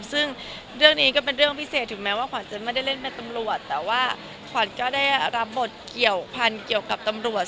ซึ่งเรื่องนี้ก็เป็นเรื่องพิเศษถึงแม้ว่าขวัญจะไม่ได้เล่นเป็นตำรวจแต่ว่าขวัญก็ได้รับบทเกี่ยวพันธุ์เกี่ยวกับตำรวจ